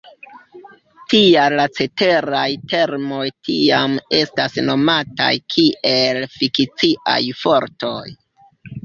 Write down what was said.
Tial la ceteraj termoj tiam estas nomataj kiel "fikciaj fortoj".